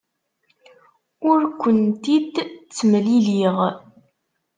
Ur kent-id-ttemliliɣ.